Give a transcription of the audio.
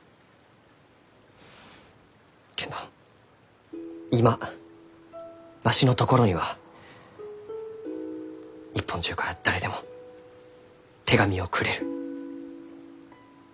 けんど今わしのところには日本中から誰でも手紙をくれる。